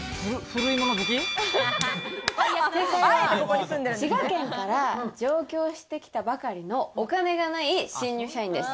正解は、滋賀県から上京してきたばかりのお金がない新入社員です。